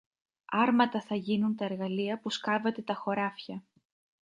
Άρματα θα γίνουν τα εργαλεία που σκάβετε τα χωράφια!